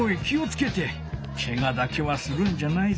けがだけはするんじゃないぞ。